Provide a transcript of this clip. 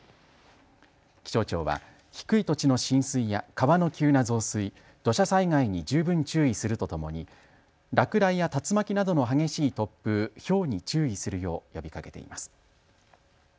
気象庁は低い土地の浸水や川の急な増水、土砂災害に十分注意するとともに落雷や竜巻などの激しい突風、ひょうに注意するよう呼びかけています。